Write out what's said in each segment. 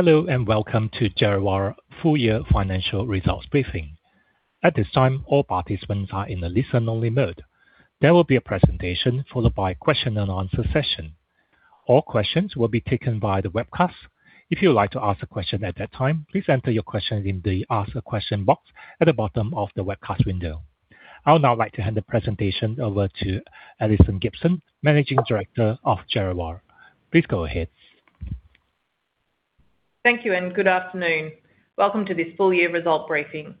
Hello, and welcome to Djerriwarrh full year financial results briefing. At this time, all participants are in a listen only mode. There will be a presentation followed by question and answer session. All questions will be taken by the webcast. If you would like to ask a question at that time, please enter your question in the ask a question box at the bottom of the webcast window. I would now like to hand the presentation over to Alison Gibson, Managing Director of Djerriwarrh. Please go ahead. Thank you and good afternoon. Welcome to this full year result briefing.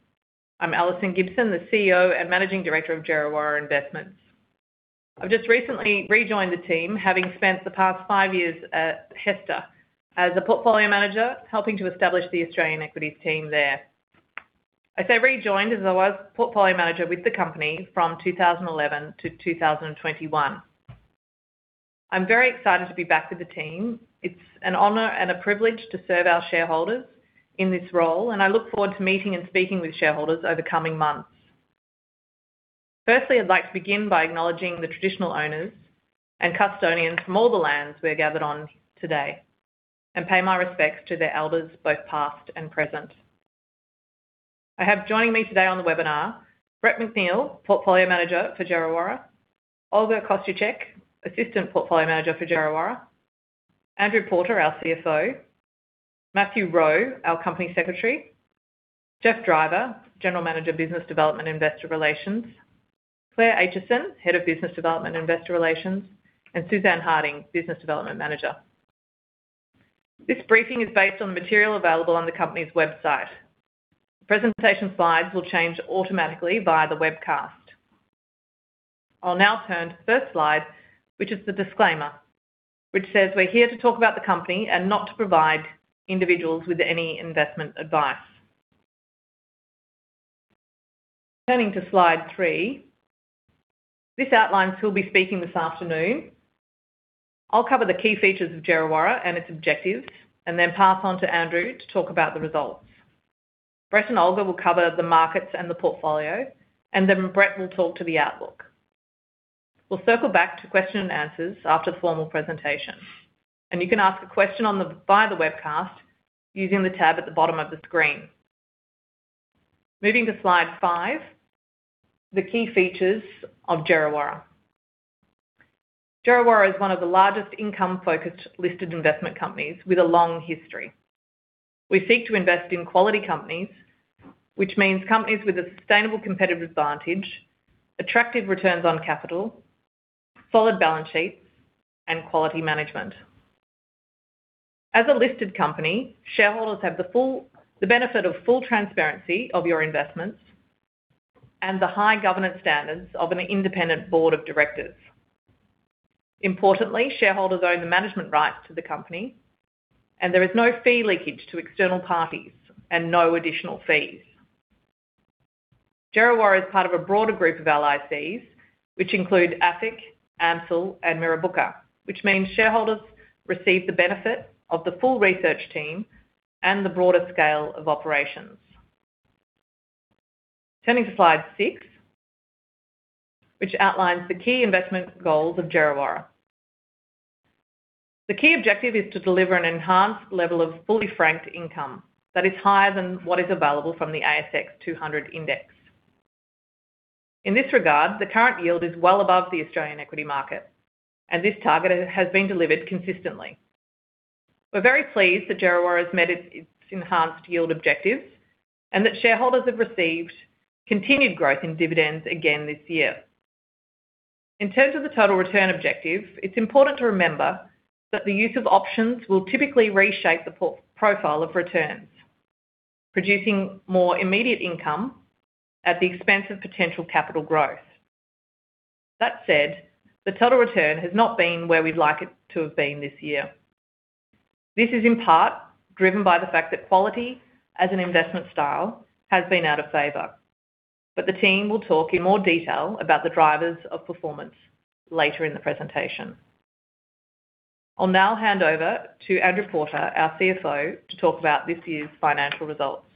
I'm Alison Gibson, the CEO and Managing Director of Djerriwarrh Investments. I've just recently rejoined the team, having spent the past five years at HESTA as a portfolio manager, helping to establish the Australian equities team there. As I rejoined as I was portfolio manager with the company from 2011 to 2021. I'm very excited to be back with the team. It's an honor and a privilege to serve our shareholders in this role, and I look forward to meeting and speaking with shareholders over the coming months. Firstly, I'd like to begin by acknowledging the traditional owners and custodians from all the lands we are gathered on today and pay my respects to their elders both past and present. I have joining me today on the webinar, Brett McNeill, Portfolio Manager for Djerriwarrh, Olga Kosciuczyk, Assistant Portfolio Manager for Djerriwarrh, Andrew Porter, our CFO, Matthew Rowe, our Company Secretary, Geoff Driver, General Manager, Business Development Investor Relations, Claire Aitchison, Head of Business Development Investor Relations, and Suzanne Harding, Business Development Manager. This briefing is based on the material available on the company's website. Presentation slides will change automatically via the webcast. I'll now turn to the first slide, which is the disclaimer, which says we're here to talk about the company and not to provide individuals with any investment advice. Turning to slide three, this outlines who'll be speaking this afternoon. I'll cover the key features of Djerriwarrh and its objectives, and then pass on to Andrew to talk about the results. Brett and Olga will cover the markets and the portfolio, then Brett will talk to the outlook. We'll circle back to question and answers after the formal presentation, and you can ask a question via the webcast using the tab at the bottom of the screen. Moving to slide five, the key features of Djerriwarrh. Djerriwarrh is one of the largest income-focused Listed Investment Companies with a long history. We seek to invest in quality companies, which means companies with a sustainable competitive advantage, attractive returns on capital, solid balance sheets, and quality management. As a listed company, shareholders have the benefit of full transparency of your investments and the high governance standards of an independent board of directors. Importantly, shareholders own the management rights to the company and there is no fee leakage to external parties and no additional fees. Djerriwarrh is part of a broader group of LICs, which include AFIC, AMCIL and Mirrabooka, which means shareholders receive the benefit of the full research team and the broader scale of operations. Turning to slide six, which outlines the key investment goals of Djerriwarrh. The key objective is to deliver an enhanced level of fully franked income that is higher than what is available from the S&P/ASX 200 Index. In this regard, the current yield is well above the Australian equity market, and this target has been delivered consistently. We're very pleased that Djerriwarrh has met its enhanced yield objectives and that shareholders have received continued growth in dividends again this year. In terms of the total return objective, it's important to remember that the use of options will typically reshape the profile of returns, producing more immediate income at the expense of potential capital growth. That said, the total return has not been where we'd like it to have been this year. This is in part driven by the fact that quality as an investment style has been out of favor. The team will talk in more detail about the drivers of performance later in the presentation. I'll now hand over to Andrew Porter, our CFO, to talk about this year's financial results.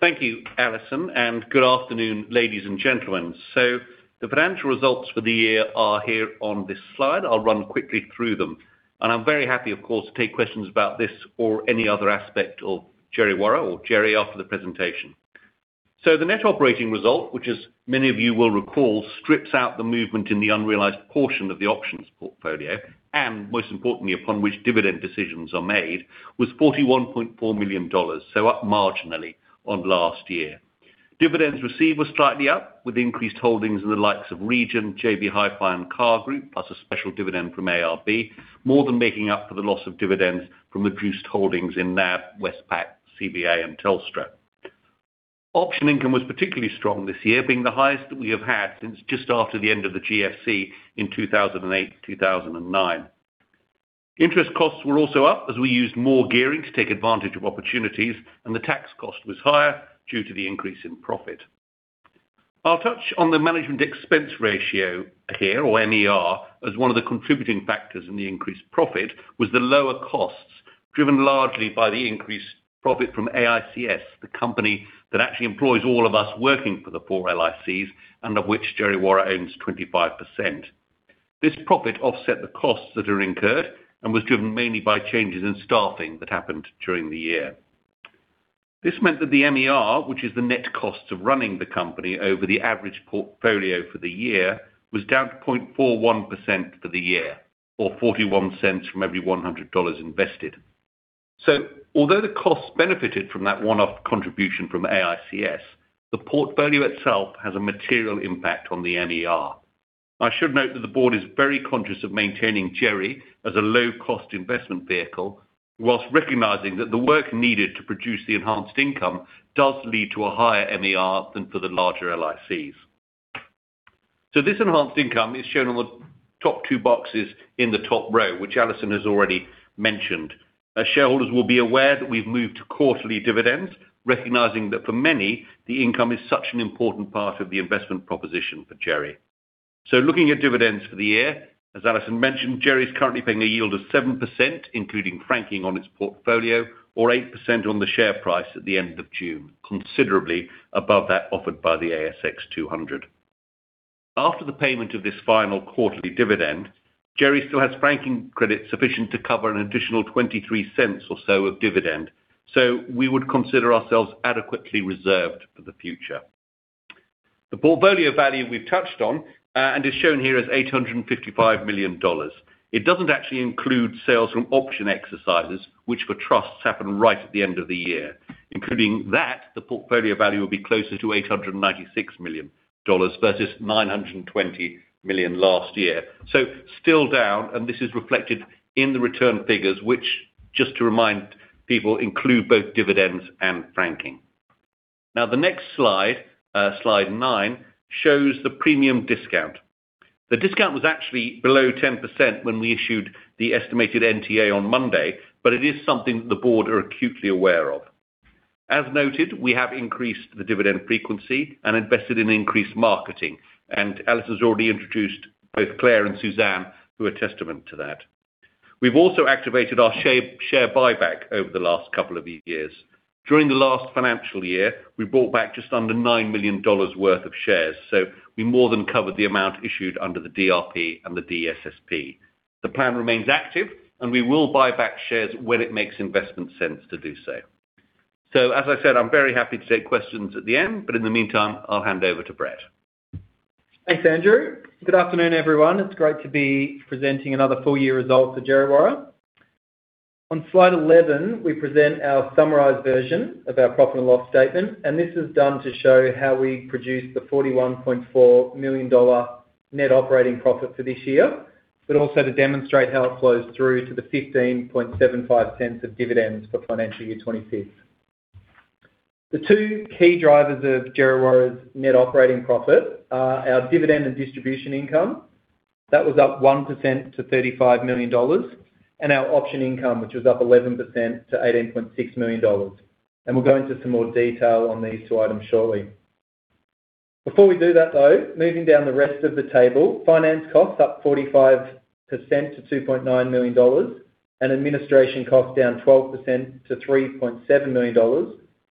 Thank you, Alison, and good afternoon, ladies and gentlemen. The financial results for the year are here on this slide. I'll run quickly through them. I'm very happy, of course, to take questions about this or any other aspect of Djerriwarrh or Djerri after the presentation. The net operating result, which as many of you will recall, strips out the movement in the unrealized portion of the options portfolio, and most importantly, upon which dividend decisions are made, was 41.4 million dollars, so up marginally on last year. Dividends received were slightly up with increased holdings in the likes of Region, JB Hi-Fi, and CAR Group, plus a special dividend from ARB, more than making up for the loss of dividends from reduced holdings in NAB, Westpac, CBA, and Telstra. Option income was particularly strong this year, being the highest that we have had since just after the end of the GFC in 2008-2009. Interest costs were also up as we used more gearing to take advantage of opportunities and the tax cost was higher due to the increase in profit. I'll touch on the management expense ratio here, or MER, as one of the contributing factors in the increased profit was the lower costs driven largely by the increased profit from AICS, the company that actually employs all of us working for the four LICs and of which Djerriwarrh owns 25%. This profit offset the costs that are incurred and was driven mainly by changes in staffing that happened during the year. This meant that the MER, which is the net cost of running the company over the average portfolio for the year, was down to 0.41% for the year or 0.41 from every 100 dollars invested. Although the costs benefited from that one-off contribution from AICS, the portfolio itself has a material impact on the MER. I should note that the board is very conscious of maintaining Djerri as a low-cost investment vehicle, whilst recognizing that the work needed to produce the enhanced income does lead to a higher MER than for the larger LICs. This enhanced income is shown on the top two boxes in the top row, which Alison has already mentioned. As shareholders will be aware that we've moved to quarterly dividends, recognizing that for many, the income is such an important part of the investment proposition for Djerri. Looking at dividends for the year, as Alison mentioned, Djerri's currently paying a yield of 7%, including franking on its portfolio or 8% on the share price at the end of June, considerably above that offered by the S&P/ASX 200. After the payment of this final quarterly dividend, Djerri still has franking credits sufficient to cover an additional 0.23 or so of dividend. We would consider ourselves adequately reserved for the future. The portfolio value we've touched on, and is shown here as 855 million dollars. It doesn't actually include sales from option exercises, which for trusts happen right at the end of the year. Including that, the portfolio value will be closer to 896 million dollars versus 920 million last year. Still down, and this is reflected in the return figures, which just to remind people, include both dividends and franking. The next slide, slide nine, shows the premium discount. The discount was actually below 10% when we issued the estimated NTA on Monday, but it is something that the board are acutely aware of. As noted, we have increased the dividend frequency and invested in increased marketing, and Alison's already introduced both Claire and Suzanne, who are testament to that. We've also activated our share buyback over the last couple of years. During the last financial year, we bought back just under 9 million dollars worth of shares, we more than covered the amount issued under the DRP and the DSSP. The plan remains active, and we will buy back shares when it makes investment sense to do so. As I said, I'm very happy to take questions at the end, but in the meantime, I'll hand over to Brett. Thanks, Andrew. Good afternoon, everyone. It's great to be presenting another full year result for Djerriwarrh. On slide 11, we present our summarized version of our profit and loss statement, this is done to show how we produced the 41.4 million dollar net operating profit for this year, but also to demonstrate how it flows through to the 0.1575 of dividends for FY 2025. The two key drivers of Djerriwarrh's net operating profit are our dividend and distribution income. That was up 1% to 35 million dollars. Our option income, which was up 11% to 18.6 million dollars. We'll go into some more detail on these two items shortly. Before we do that, though, moving down the rest of the table, finance costs up 45% to 2.9 million dollars and administration costs down 12% to 3.7 million dollars,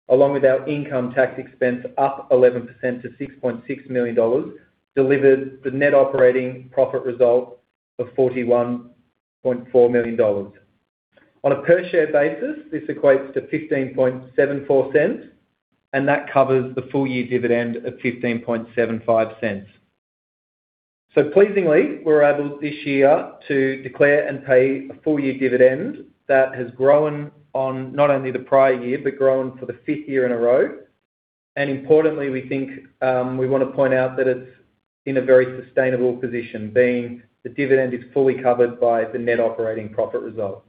along with our income tax expense up 11% to 6.6 million dollars, delivered the net operating profit result of 41.4 million dollars. On a per share basis, this equates to 0.1574, and that covers the full year dividend of 0.1575. Pleasingly, we're able this year to declare and pay a full year dividend that has grown on not only the prior year but grown for the fifth year in a row. Importantly, we think, we want to point out that it is in a very sustainable position, being the dividend is fully covered by the net operating profit result.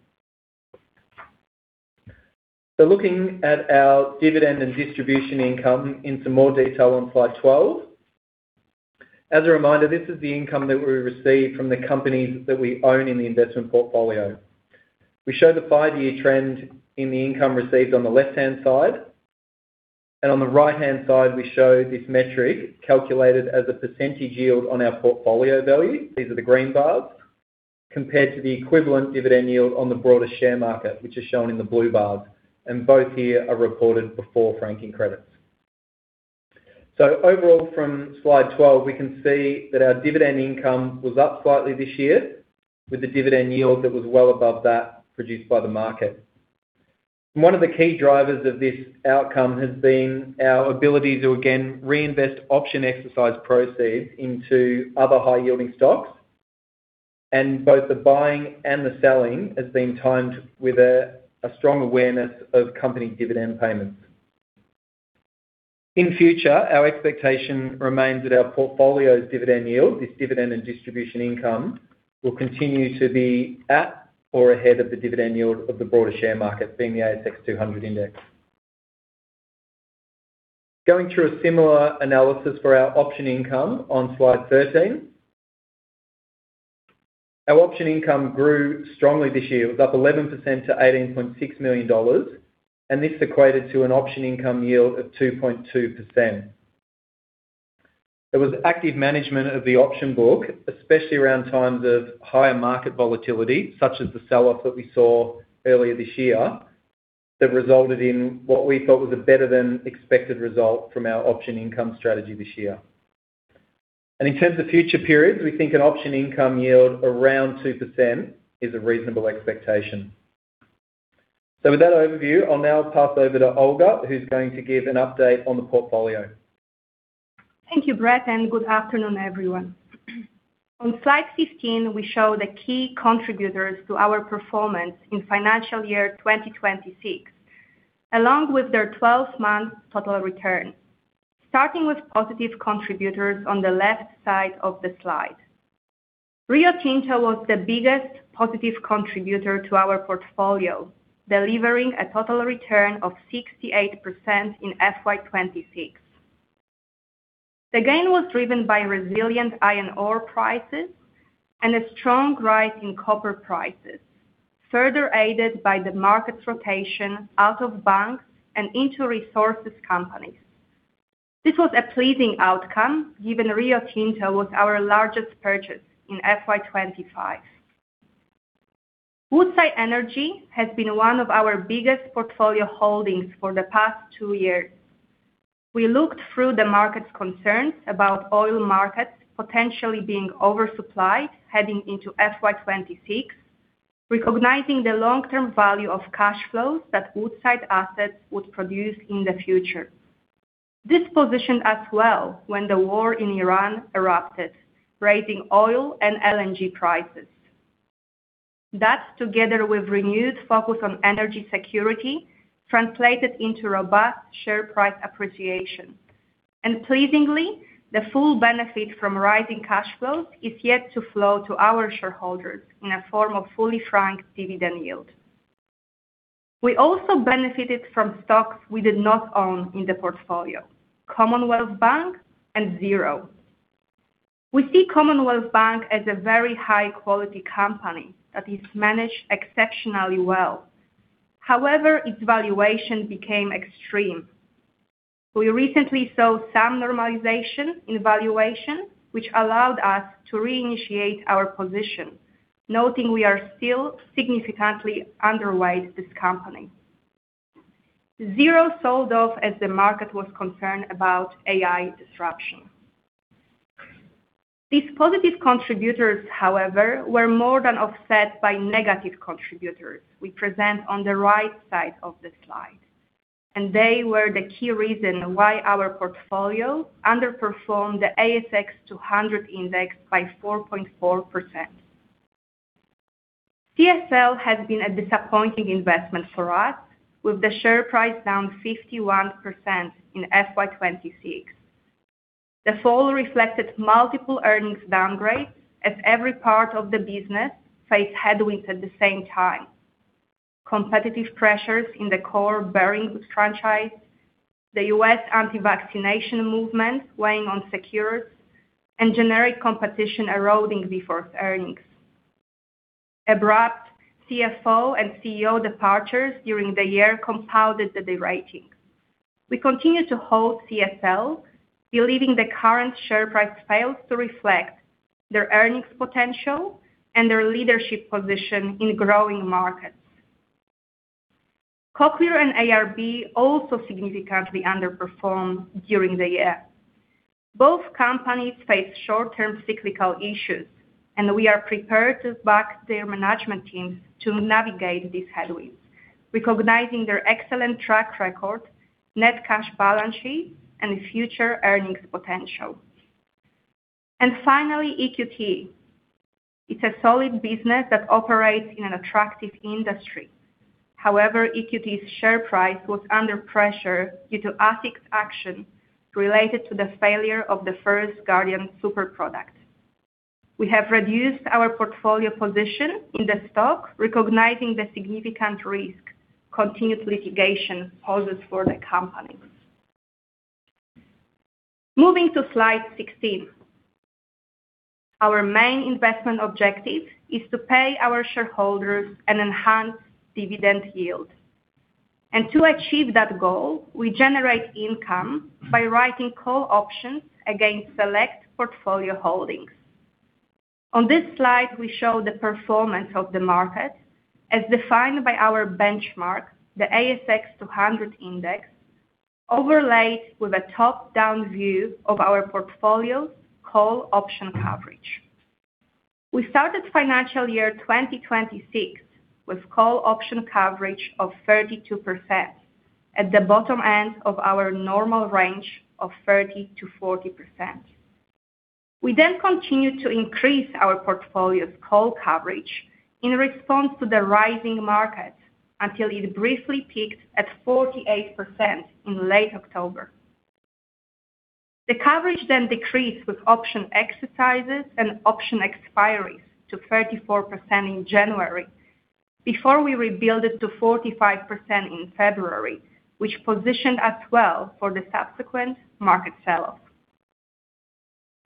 Looking at our dividend and distribution income in some more detail on slide 12. As a reminder, this is the income that we receive from the companies that we own in the investment portfolio. We show the five-year trend in the income received on the left-hand side, and on the right-hand side, we show this metric calculated as a percentage yield on our portfolio value, these are the green bars, compared to the equivalent dividend yield on the broader share market, which is shown in the blue bars, and both here are reported before franking credits. Overall, from slide 12, we can see that our dividend income was up slightly this year with a dividend yield that was well above that produced by the market. One of the key drivers of this outcome has been our ability to, again, reinvest option exercise proceeds into other high-yielding stocks, and both the buying and the selling has been timed with a strong awareness of company dividend payments. In future, our expectation remains that our portfolio's dividend yield, this dividend and distribution income, will continue to be at or ahead of the dividend yield of the broader share market, being the S&P/ASX 200 Index. Going through a similar analysis for our option income on slide 13. Our option income grew strongly this year. It was up 11% to 18.6 million dollars, and this equated to an option income yield of 2.2%. It was active management of the option book, especially around times of higher market volatility, such as the sell-off that we saw earlier this year. That resulted in what we thought was a better than expected result from our option income strategy this year. In terms of future periods, we think an option income yield around 2% is a reasonable expectation. With that overview, I will now pass over to Olga, who is going to give an update on the portfolio. Thank you, Brett, and good afternoon, everyone. On slide 15, we show the key contributors to our performance in financial year 2026, along with their 12-month total return. Starting with positive contributors on the left side of the slide. Rio Tinto was the biggest positive contributor to our portfolio, delivering a total return of 68% in FY 2026. The gain was driven by resilient iron ore prices and a strong rise in copper prices, further aided by the market rotation out of banks and into resources companies. This was a pleasing outcome, given Rio Tinto was our largest purchase in FY 2025. Woodside Energy has been one of our biggest portfolio holdings for the past two years. We looked through the market's concerns about oil markets potentially being oversupplied heading into FY 2026, recognizing the long-term value of cash flows that Woodside assets would produce in the future. This positioned us well when the war in Iran erupted, raising oil and LNG prices. That, together with renewed focus on energy security, translated into robust share price appreciation. Pleasantly, the full benefit from rising cash flows is yet to flow to our shareholders in a form of fully franked dividend yield. We also benefited from stocks we did not own in the portfolio, Commonwealth Bank and Xero. We see Commonwealth Bank as a very high-quality company that is managed exceptionally well. However, its valuation became extreme. We recently saw some normalization in valuation, which allowed us to reinitiate our position, noting we are still significantly underweight this company. Xero sold off as the market was concerned about AI disruption. These positive contributors, however, were more than offset by negative contributors we present on the right side of the slide, and they were the key reason why our portfolio underperformed the S&P/ASX 200 Index by 4.4%. CSL has been a disappointing investment for us, with the share price down 51% in FY 2026. The fall reflected multiple earnings downgrades as every part of the business faced headwinds at the same time. Competitive pressures in the core Behring franchise, the U.S. anti-vaccination movement weighing on Seqirus, and generic competition eroding Vifor's earnings. Abrupt CFO and CEO departures during the year compounded the deratings. We continue to hold CSL, believing the current share price fails to reflect their earnings potential and their leadership position in growing markets. Cochlear and ARB also significantly underperformed during the year. Both companies face short-term cyclical issues, and we are prepared to back their management teams to navigate these headwinds, recognizing their excellent track record, net cash balance sheet, and future earnings potential. Finally, EQT. It's a solid business that operates in an attractive industry. However, EQT's share price was under pressure due to ASIC's action related to the failure of the First Guardian Super product. We have reduced our portfolio position in the stock, recognizing the significant risk continued litigation poses for the company. Moving to slide 16. Our main investment objective is to pay our shareholders an enhanced dividend yield. To achieve that goal, we generate income by writing call options against select portfolio holdings. On this slide, we show the performance of the market as defined by our benchmark, the S&P/ASX 200 Index, overlaid with a top-down view of our portfolio's call option coverage. We started financial year 2026 with call option coverage of 32%, at the bottom end of our normal range of 30%-40%. We then continued to increase our portfolio's call coverage in response to the rising market until it briefly peaked at 48% in late October. The coverage then decreased with option exercises and option expiries to 34% in January before we rebuilt it to 45% in February, which positioned us well for the subsequent market sell-off.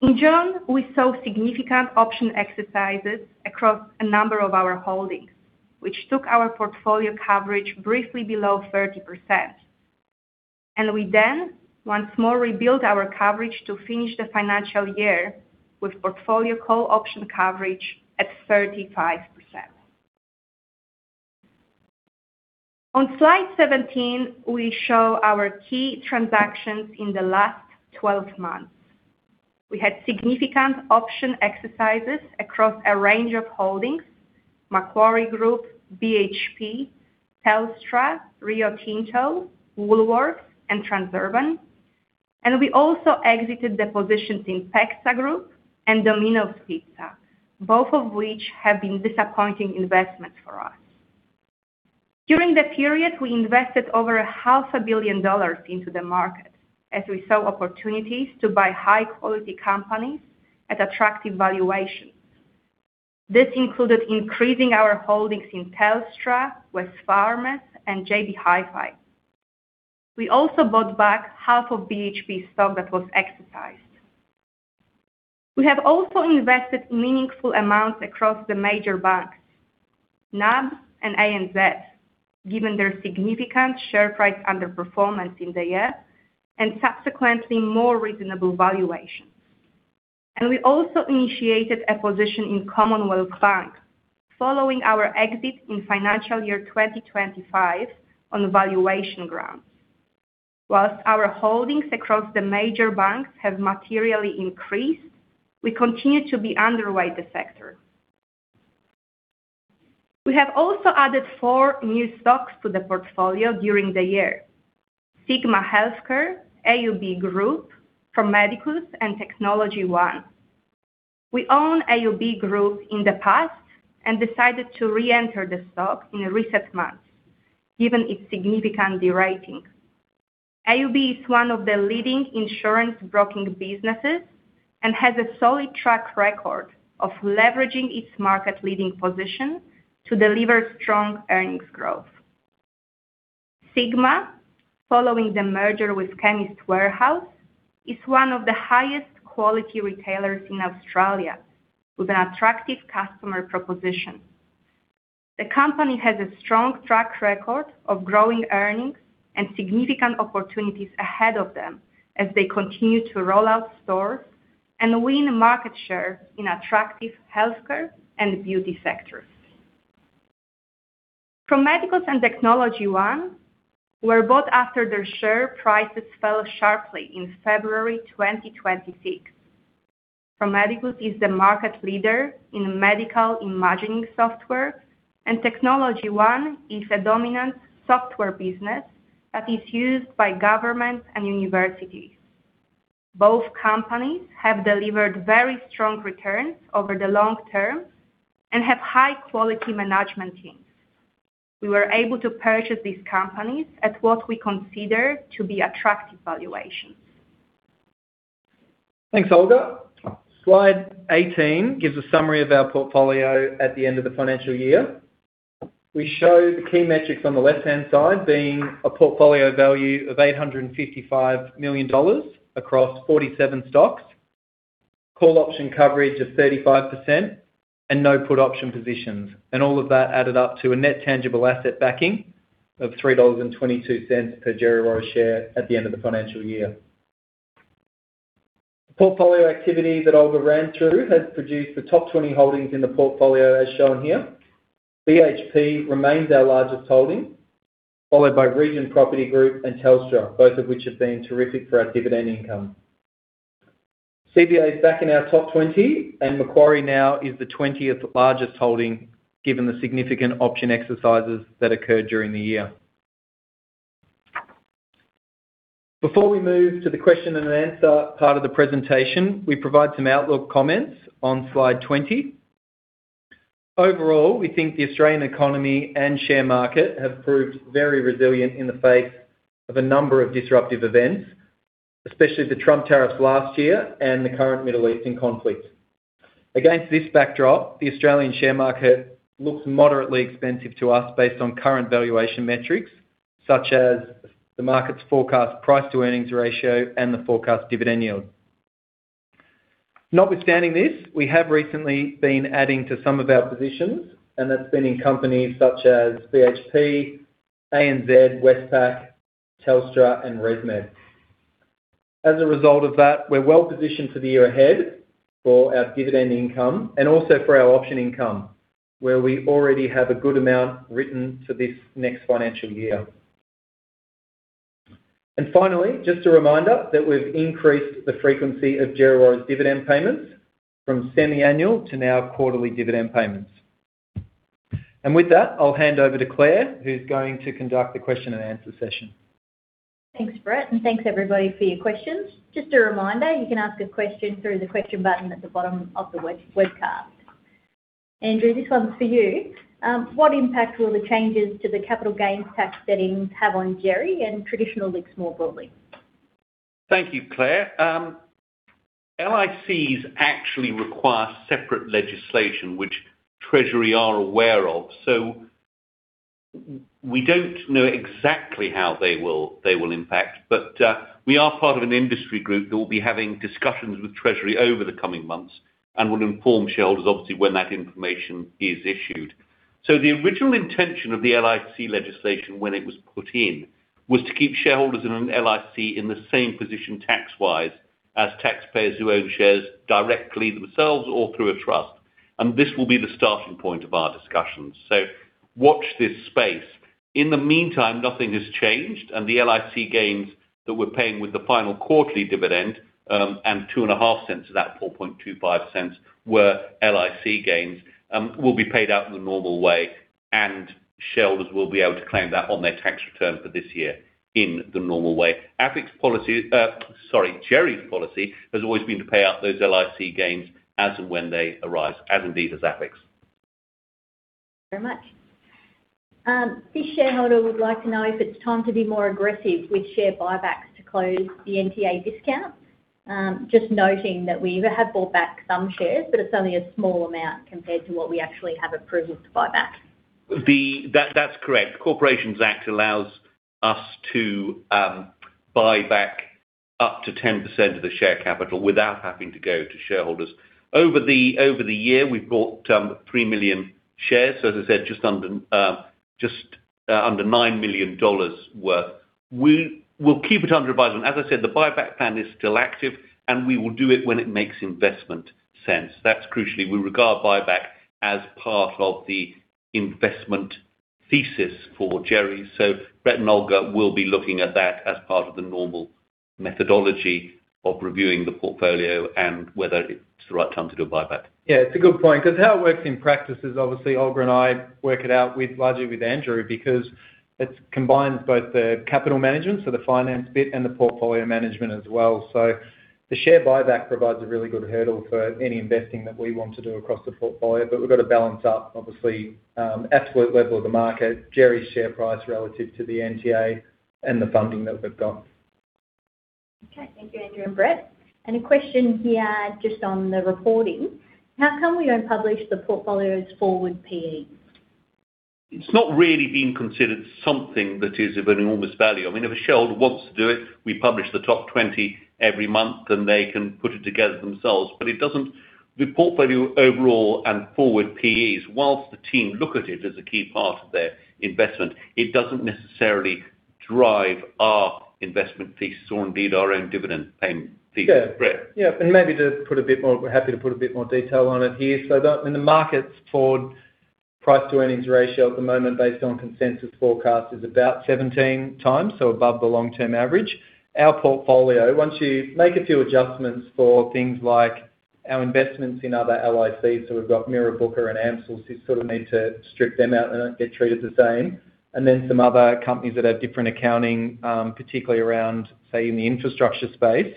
In June, we saw significant option exercises across a number of our holdings, which took our portfolio coverage briefly below 30%. We then once more rebuilt our coverage to finish the financial year with portfolio call option coverage at 35%. On slide 17, we show our key transactions in the last 12 months. We had significant option exercises across a range of holdings, Macquarie Group, BHP, Telstra, Rio Tinto, Woolworths, and Transurban. We also exited the positions in PEXA Group and Domino's Pizza, both of which have been disappointing investments for us. During the period, we invested over 500 million dollars into the market as we saw opportunities to buy high-quality companies at attractive valuations. This included increasing our holdings in Telstra, Wesfarmers, and JB Hi-Fi. We also bought back half of BHP stock that was exercised. We have also invested meaningful amounts across the major banks, NAB and ANZ, given their significant share price underperformance in the year and subsequently more reasonable valuations. We also initiated a position in Commonwealth Bank following our exit in financial year 2025 on valuation grounds. Whilst our holdings across the major banks have materially increased, we continue to be underweight the sector. We have also added four new stocks to the portfolio during the year. Sigma Healthcare, AUB Group, Pro Medicus, and TechnologyOne. We owned AUB Group in the past and decided to re-enter the stock in the recent months, given its significant de-rating. AUB is one of the leading insurance broking businesses and has a solid track record of leveraging its market-leading position to deliver strong earnings growth. Sigma, following the merger with Chemist Warehouse, is one of the highest quality retailers in Australia with an attractive customer proposition. The company has a strong track record of growing earnings and significant opportunities ahead of them as they continue to roll out stores and win market share in attractive healthcare and beauty sectors. Pro Medicus and TechnologyOne were bought after their share prices fell sharply in February 2026. Pro Medicus is the market leader in medical imaging software, and TechnologyOne is a dominant software business that is used by governments and universities. Both companies have delivered very strong returns over the long term and have high-quality management teams. We were able to purchase these companies at what we consider to be attractive valuations. Thanks, Olga. Slide 18 gives a summary of our portfolio at the end of the financial year. We show the key metrics on the left-hand side being a portfolio value of 855 million dollars across 47 stocks, call option coverage of 35% and no put option positions. All of that added up to a net tangible asset backing of 3.22 dollars per Djerriwarrh share at the end of the financial year. The portfolio activity that Olga ran through has produced the top 20 holdings in the portfolio as shown here. BHP remains our largest holding, followed by Region Group and Telstra, both of which have been terrific for our dividend income. CBA is back in our top 20, and Macquarie now is the 20th largest holding, given the significant option exercises that occurred during the year. Before we move to the question and answer part of the presentation, we provide some outlook comments on slide 20. Overall, we think the Australian economy and share market have proved very resilient in the face of a number of disruptive events, especially the Trump tariffs last year and the current Middle Eastern conflict. Against this backdrop, the Australian share market looks moderately expensive to us based on current valuation metrics, such as the market's forecast price-to-earnings ratio and the forecast dividend yield. Notwithstanding this, we have recently been adding to some of our positions, that's been in companies such as BHP, ANZ, Westpac, Telstra, and ResMed. As a result of that, we're well positioned for the year ahead for our dividend income and also for our option income, where we already have a good amount written to this next financial year. Finally, just a reminder that we've increased the frequency of Djerriwarrh's dividend payments from semi-annual to now quarterly dividend payments. With that, I'll hand over to Claire, who's going to conduct the question and answer session. Thanks, Brett, and thanks everybody for your questions. Just a reminder, you can ask a question through the question button at the bottom of the webcast. Andrew, this one's for you. What impact will the changes to the capital gains tax settings have on Djerri and traditional LICs more broadly? Thank you, Claire. LICs actually require separate legislation which Treasury are aware of, so we don't know exactly how they will impact. We are part of an industry group that will be having discussions with Treasury over the coming months. We'll inform shareholders, obviously, when that information is issued. The original intention of the LIC legislation when it was put in, was to keep shareholders in an LIC in the same position tax-wise as taxpayers who own shares directly themselves or through a trust. This will be the starting point of our discussions. Watch this space. In the meantime, nothing has changed. The LIC gains that we're paying with the final quarterly dividend, and 0.025 of that 0.0425 were LIC gains, will be paid out in the normal way, and shareholders will be able to claim that on their tax return for this year in the normal way. Sorry, Djerri's policy has always been to pay out those LIC gains as and when they arise, as indeed as AFIC. Thank you very much. This shareholder would like to know if it's time to be more aggressive with share buybacks to close the NTA discount. Just noting that we have bought back some shares, but it's only a small amount compared to what we actually have approval to buy back. That's correct. Corporations Act allows us to buy back up to 10% of the share capital without having to go to shareholders. Over the year, we've bought 3 million shares, as I said, just under 9 million dollars worth. We'll keep it under advisement. As I said, the buyback plan is still active, and we will do it when it makes investment sense. That's crucially, we regard buyback as part of the investment thesis for Djerri. Brett and Olga will be looking at that as part of the normal methodology of reviewing the portfolio and whether it's the right time to do a buyback. It's a good point because how it works in practice is obviously Olga and I work it out largely with Andrew because it combines both the capital management, so the finance bit, and the portfolio management as well. The share buyback provides a really good hurdle for any investing that we want to do across the portfolio, we've got to balance up, obviously, absolute level of the market, Djerri's share price relative to the NTA, and the funding that we've got. Thank you, Andrew and Brett. A question here just on the reporting. How come we don't publish the portfolio's forward P/Es? It's not really been considered something that is of enormous value. I mean, if a shareholder wants to do it, we publish the top 20 every month, and they can put it together themselves. It doesn't. The portfolio overall and forward P/Es, whilst the team look at it as a key part of their investment, it doesn't necessarily drive our investment thesis or indeed our own dividend aim thesis. Brett? Maybe to put a bit more, we're happy to put a bit more detail on it here. The, in the markets forward, price to earnings ratio at the moment based on consensus forecast is about 17x, so above the long-term average. Our portfolio, once you make a few adjustments for things like our investments in other LICs, we've got Mirrabooka and AMCIL, you need to strip them out and they get treated the same. Then some other companies that have different accounting, particularly around, say, in the infrastructure space,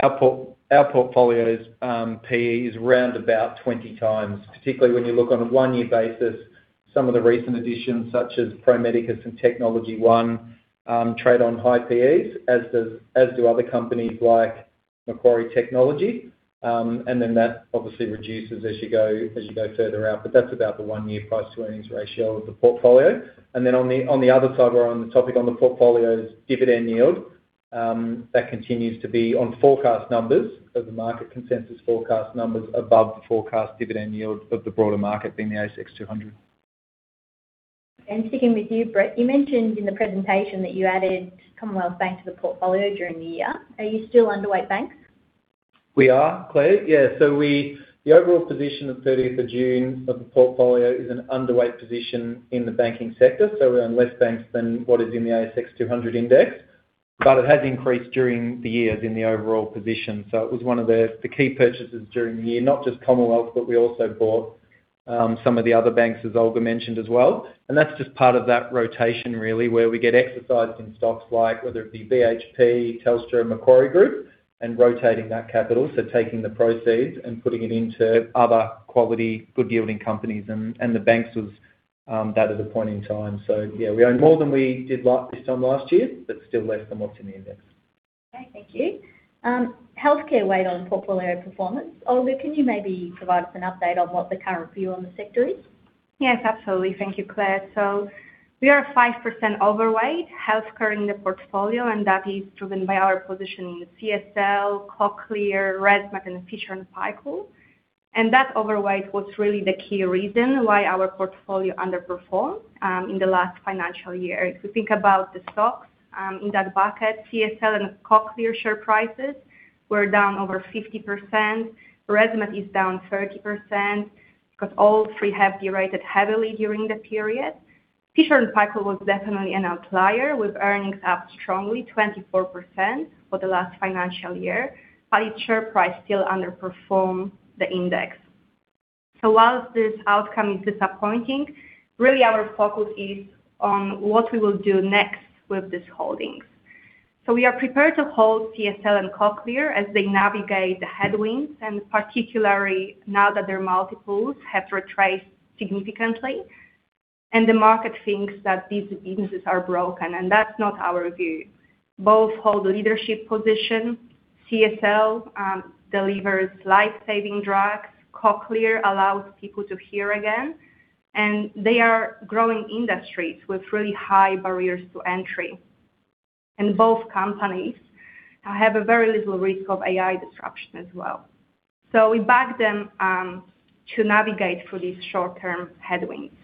our portfolio's P/E is around about 20x. Particularly when you look on a one-year basis, some of the recent additions, such as Pro Medicus and TechnologyOne, trade on high P/Es, as do other companies like Macquarie Technology. That obviously reduces as you go further out, but that's about the one-year price to earnings ratio of the portfolio. On the other side, we're on the topic on the portfolio's dividend yield. That continues to be on forecast numbers of the market consensus forecast numbers above the forecast dividend yield of the broader market being the S&P/ASX 200. Sticking with you, Brett, you mentioned in the presentation that you added Commonwealth Bank to the portfolio during the year. Are you still underweight banks? We are, Claire. The overall position of 13th of June of the portfolio is an underweight position in the banking sector. We own less banks than what is in the S&P/ASX 200 Index, but it has increased during the years in the overall position. It was one of the key purchases during the year, not just Commonwealth, but we also bought some of the other banks, as Olga mentioned as well. That's just part of that rotation, really, where we get exercise in stocks like whether it be BHP, Telstra, and Macquarie Group and rotating that capital, taking the proceeds and putting it into other quality, good yielding companies. The banks was that at a point in time. Yeah, we own more than we did this time last year, but still less than what's in the Index. Okay. Thank you. Healthcare weight on portfolio performance. Olga, can you maybe provide us an update on what the current view on the sector is? Yes, absolutely. Thank you, Claire. We are 5% overweight healthcare in the portfolio, and that is driven by our position in CSL, Cochlear, ResMed, and Fisher & Paykel. That overweight was really the key reason why our portfolio underperformed in the last financial year. If we think about the stocks in that bucket, CSL and Cochlear share prices were down over 50%. ResMed is down 30% because all three have de-rated heavily during the period. Fisher & Paykel was definitely an outlier, with earnings up strongly, 24%, for the last financial year, but its share price still underperformed the index. Whilst this outcome is disappointing, really our focus is on what we will do next with these holdings. We are prepared to hold CSL and Cochlear as they navigate the headwinds, particularly now that their multiples have retraced significantly and the market thinks that these businesses are broken, and that's not our view. Both hold a leadership position. CSL delivers life-saving drugs. Cochlear allows people to hear again, they are growing industries with really high barriers to entry. Both companies have a very little risk of AI disruption as well. We backed them to navigate through these short-term headwinds.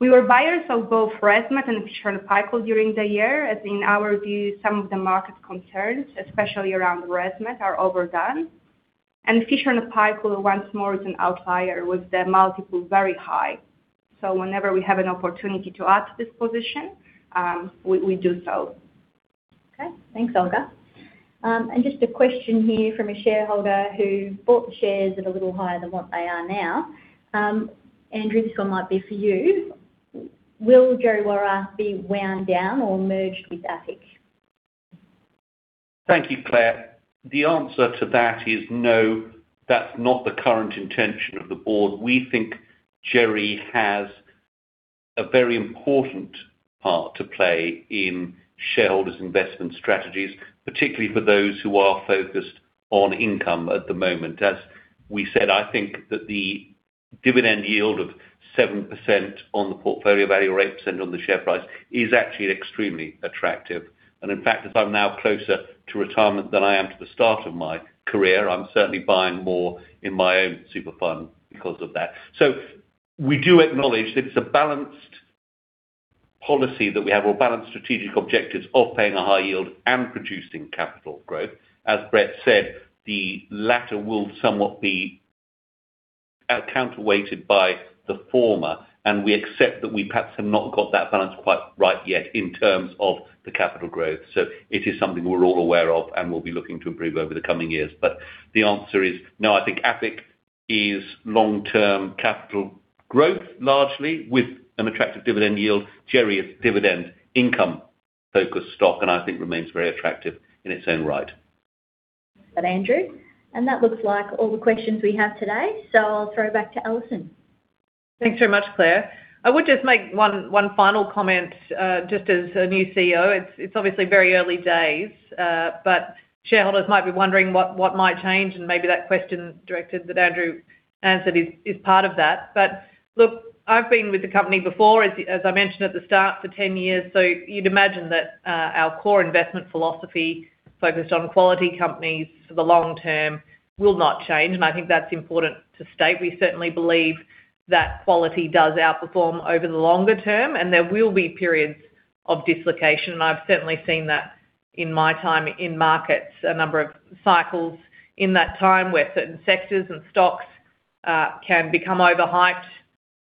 We were buyers of both ResMed and Fisher & Paykel during the year, as in our view, some of the market concerns, especially around ResMed, are overdone. Fisher & Paykel once more is an outlier with their multiple very high. Whenever we have an opportunity to add to this position, we do so. Okay. Thanks, Olga. Just a question here from a shareholder who bought the shares at a little higher than what they are now. Andrew, this one might be for you. Will Djerriwarrh be wound down or merged with AFIC? Thank you, Claire. The answer to that is no, that's not the current intention of the board. We think Djerri has a very important part to play in shareholders' investment strategies, particularly for those who are focused on income at the moment. As we said, I think that the dividend yield of 7% on the portfolio value or 8% on the share price is actually extremely attractive. In fact, as I'm now closer to retirement than I am to the start of my career, I'm certainly buying more in my own super fund because of that. We do acknowledge that it's a balanced policy that we have or balanced strategic objectives of paying a high yield and producing capital growth. As Brett said, the latter will somewhat be counterweighted by the former, and we accept that we perhaps have not got that balance quite right yet in terms of the capital growth. It is something we're all aware of and we'll be looking to improve over the coming years. The answer is no. I think AFIC is long-term capital growth largely with an attractive dividend yield. Djerri is dividend income-focused stock and I think remains very attractive in its own right. Thanks for that, Andrew. That looks like all the questions we have today, I'll throw back to Alison. Thanks very much, Claire. I would just make one final comment, just as a new CEO. It's obviously very early days. Shareholders might be wondering what might change, and maybe that question directed that Andrew answered is part of that. Look, I've been with the company before, as I mentioned at the start, for 10 years. You'd imagine that our core investment philosophy focused on quality companies for the long term will not change. I think that's important to state. We certainly believe that quality does outperform over the longer term, and there will be periods of dislocation. I've certainly seen that in my time in markets, a number of cycles in that time where certain sectors and stocks can become overhyped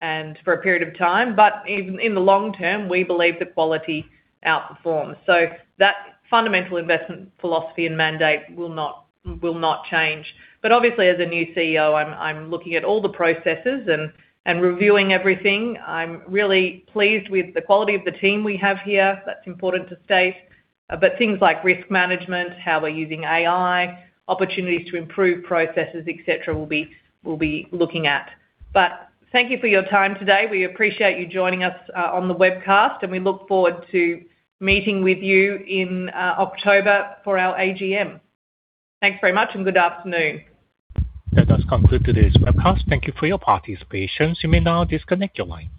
and for a period of time. In the long term, we believe that quality outperforms. That fundamental investment philosophy and mandate will not change. Obviously, as a new CEO, I'm looking at all the processes and reviewing everything. I'm really pleased with the quality of the team we have here. That's important to state. Things like risk management, how we're using AI, opportunities to improve processes, et cetera, we'll be looking at. Thank you for your time today. We appreciate you joining us on the webcast, and we look forward to meeting with you in October for our AGM. Thanks very much and good afternoon. That does conclude today's webcast. Thank you for your participation. You may now disconnect your lines.